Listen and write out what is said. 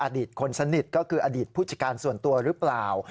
อดีตคนสนิทก็คืออดีตผู้จัดการส่วนตัวหรือเปล่า